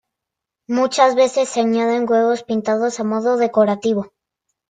Muchas veces se añaden huevos pintados a modo decorativo.